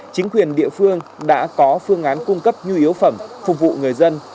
chính quyền địa phương đã có phương án cung cấp nhu yếu phẩm phục vụ người dân